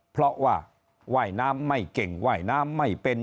เพราะว่าว่ายน้ำไม่เก่งว่ายน้ำไม่เป็น